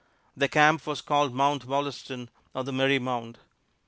Their camp was called Mount Wollaston, or the Merry Mount.